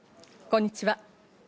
こんにちは。